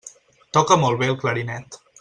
Toca molt bé el clarinet.